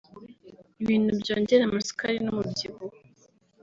ibintu byongera amasukari n’umubyibuho”